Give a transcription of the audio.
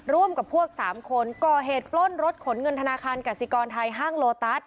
ร่วมกับพวกสามคนก่อเหตุปล้นรถขนเงินธนาคารกสิกรไทยห้างโลตัส